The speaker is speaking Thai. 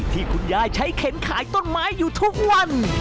ที่คุณยายใช้เข็นขายต้นไม้อยู่ทุกวัน